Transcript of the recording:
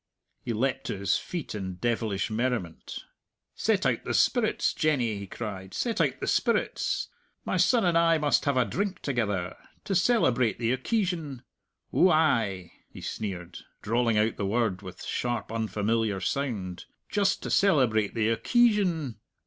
_" He leapt to his feet in devilish merriment. "Set out the spirits, Jenny!" he cried; "set out the spirits! My son and I must have a drink together to celebrate the occeesion; ou ay," he sneered, drawling out the word with sharp, unfamiliar sound, "just to celebrate the occeesion!"